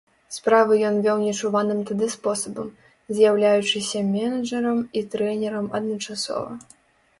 Справы ён вёў нечуваным тады спосабам, з'яўляючыся менеджарам і трэнерам адначасова.